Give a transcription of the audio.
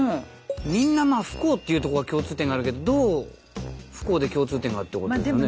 みんなまあ不幸っていうとこが共通点あるけどどう不幸で共通点がってことですよね。